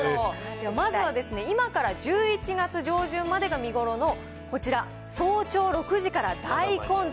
まずは今から１１月上旬までが見頃のこちら、早朝６時から大混雑。